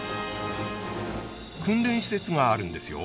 訓練施設があるんですよ。